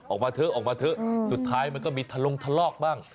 ออกมาเถอะออกมาเถอะสุดท้ายมันก็มีทะลงทะลอกบ้าง